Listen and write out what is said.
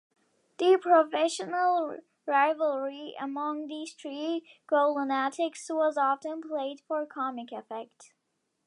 The professional rivalry among these three GhouLunatics was often played for comic effect.